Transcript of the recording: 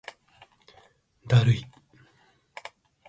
だるい